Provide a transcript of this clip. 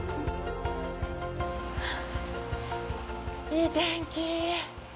いい天気。